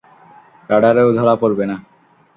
রাডারেও ধরা পড়বে না।